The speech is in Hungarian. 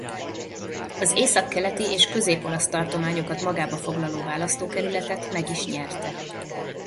Az észak-keleti és közép-olasz tartományokat magába foglaló választókerületet meg is nyerte.